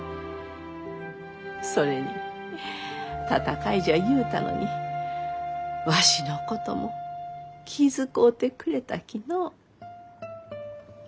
それに戦いじゃ言うたのにわしのことも気遣うてくれたきのう。